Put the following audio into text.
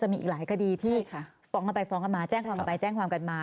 มีอีกหลายคดีที่ฟ้องกันไปฟ้องกันมาแจ้งความกันไปแจ้งความกันมา